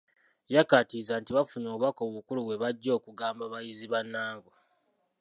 Yakkaatirizza nti bafunye obubaka obukulu bwe bajja okugamba bayizi bannaabwe.